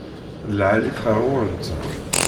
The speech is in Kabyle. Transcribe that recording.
D lεali-t ɣer ɣur-nteɣ.